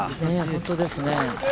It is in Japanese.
本当ですね。